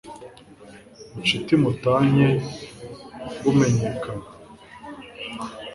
bucuti mu tanye bumenyekana